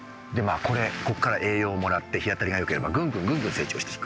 これここから栄養もらって日当たりがよければぐんぐんぐんぐん成長していく。